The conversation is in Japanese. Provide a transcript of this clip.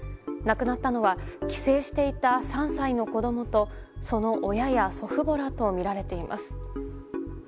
亡くなったのは、帰省していた３歳の子どもと、その親や祖父母らと見られています。